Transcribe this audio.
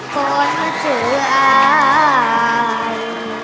โปรดเจ้าอาย